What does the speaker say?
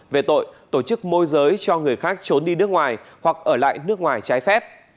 về tội tổ chức môi giới cho người khác trốn đi nước ngoài hoặc ở lại nước ngoài trái phép